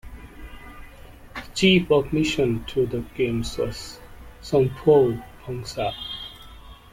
The chief of mission to the games was Somphou Phongsa.